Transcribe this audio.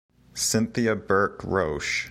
Cynthia Burke Roche.